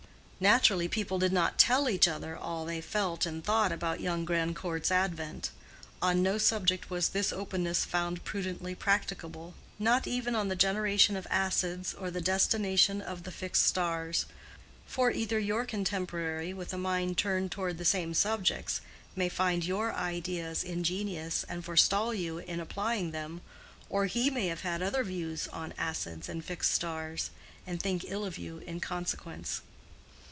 Naturally, people did not tell each other all they felt and thought about young Grandcourt's advent: on no subject is this openness found prudently practicable—not even on the generation of acids, or the destination of the fixed stars: for either your contemporary with a mind turned toward the same subjects may find your ideas ingenious and forestall you in applying them, or he may have other views on acids and fixed stars, and think ill of you in consequence.